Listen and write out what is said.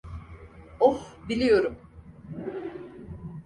Oh, biliyorum.